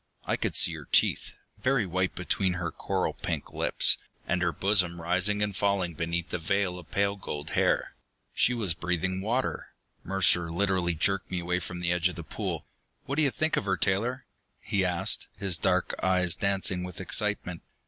I could see her teeth, very white between her coral pink lips, and her bosom rising and falling beneath the veil of pale gold hair. She was breathing water! Mercer literally jerked me away from the edge of the pool. "What do you think of her, Taylor?" he asked, his dark eyes dancing with excitement.